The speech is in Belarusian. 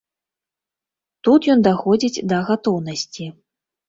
Тут ён даходзіць да гатоўнасці.